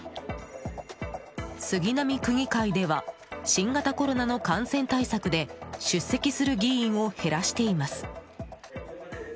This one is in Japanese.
杉並区議会では新型コロナの感染対策で出席する議員を減らしています。